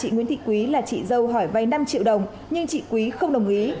nguyễn thị quý là trị dâu hỏi vay năm triệu đồng nhưng trị quý không đồng ý